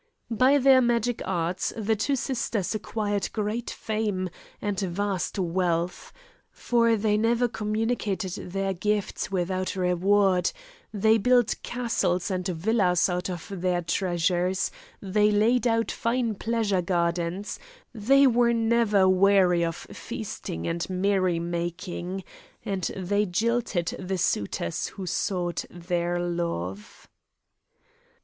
By their magic arts the two sisters acquired great fame and vast wealth, for they never communicated their gifts without reward; they built castles and villas out of their treasures; they laid out fine pleasure gardens; they were never weary of feasting and merry making, and they jilted the suitors who sought their love.